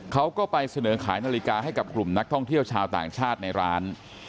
เขาก็ไปเสนอขายนาฬิกาให้กับกลุ่มนักท่องเที่ยวชาวต่างชาติในร้าน